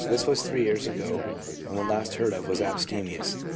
This was three years ago, and when last heard of he was abstemious.